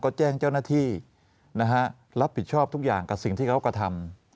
ก็แจ้งเจ้าหน้าที่นะฮะรับผิดชอบทุกอย่างกับสิ่งที่เขากระทำ